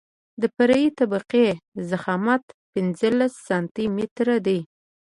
د فرعي طبقې ضخامت پنځلس سانتي متره دی